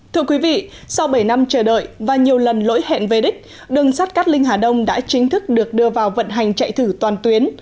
thưa quý vị sau bảy năm chờ đợi và nhiều lần lỗi hẹn về đích đường sát cát linh hà đông đã chính thức được đưa vào vận hành chạy thử toàn tuyến